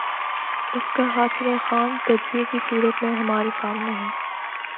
اس کا حاصل خام تجزیے کی صورت میں ہمارے سامنے ہے۔